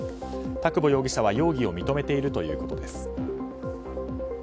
田窪容疑者は容疑を認めているということです。